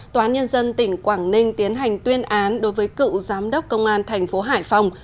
tòa án nhân dân tỉnh quảng ninh tiến hành tuyên án đối với cựu giám đốc công an thành phố hải phòng